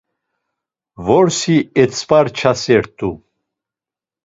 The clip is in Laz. Vrosi etzvarçasert̆u.